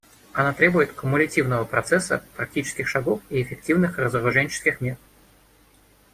Она требует кумулятивного процесса практических шагов и эффективных разоруженческих мер.